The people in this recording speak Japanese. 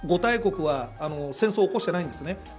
５大国は戦争を起こしてないんですね。